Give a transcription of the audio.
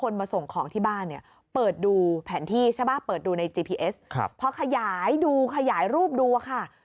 เรื่องขนลุค